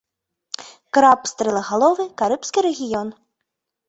Краб стрэлагаловы, карыбскі рэгіён.